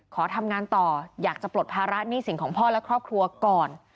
ขอทำงานต่ออยากจะปลดภาระหนี้สินของพ่อและครอบครัวก่อน